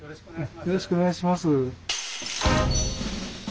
よろしくお願いします。